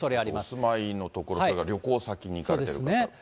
お住まいの所、それから旅行先に行かれる方は。